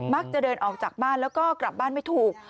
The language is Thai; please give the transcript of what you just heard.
จะเดินออกจากบ้านแล้วก็กลับบ้านไม่ถูก